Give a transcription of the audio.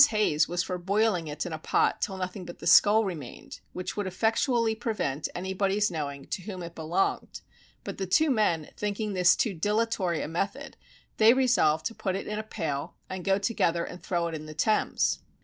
Hayes was for boiling it in a pot till nothing but the skull remained, which would effectually prevent anybody's knowing to whom it belonged; but the two men thinking this too dilatory a method, they resolved to put it in a pail, and go together and throw it in the Thames.